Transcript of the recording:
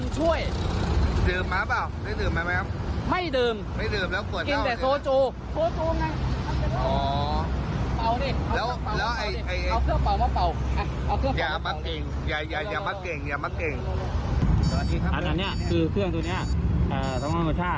ช่วยดื่มมาหรือเปล่าได้ดื่มมาไหมครับไม่ดื่มไม่ดื่มแล้วกว่า